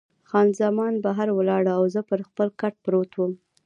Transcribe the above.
خان زمان بهر ولاړه او زه پر خپل کټ پروت وم.